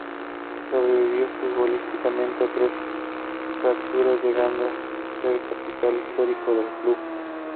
Sobrevivió futbolísticamente a tres fracturas, llegando a ser el Capitán histórico del club.